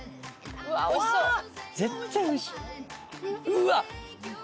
絶対おいしい！